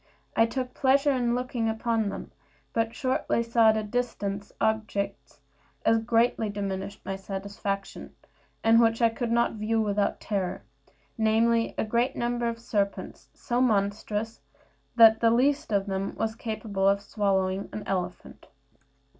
I took pleasure in looking upon them; but shortly saw at a distance such objects as greatly diminished my satisfaction, and which I could not view without terror, namely, a great number of serpents, so monstrous that the least of them was capable of swallowing an elephant.